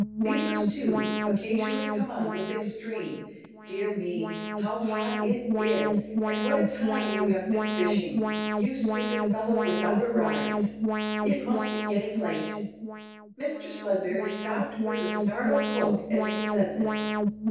Fevers, too, occasionally come on with extreme dear me, how hot it is, and what a time you have been fishing, you stupid fellow, without a rise! It must be getting late." Mr Sudberry stopped with a startled look as he said this.